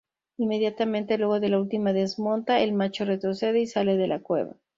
Inmediatamente luego de la última desmonta, el macho retrocede y sale de la cueva.